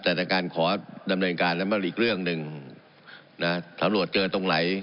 แต่จากการขอดำเนินการแล้วมันมีอีกเรื่องหนึ่งนะสำรวจเจอตรงไหน